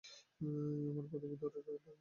আমার পদবী ধরে ডাকবে না।